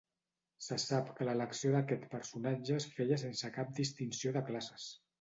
Se sap que l'elecció d'aquest personatge es feia sense cap distinció de classes.